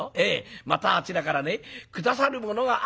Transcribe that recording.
またあちらからね下さるものがあるそうです」。